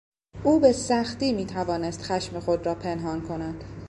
او به سختی میتوانست خشم خود را پنهان کند.